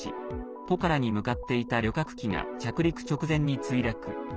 ポカラに向かっていた旅客機が着陸直前に墜落。